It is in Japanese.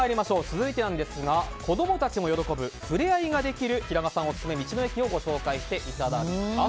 続いては、子供たちも喜ぶ触れ合いができる平賀さんオススメの道の駅をオススメしていただきます。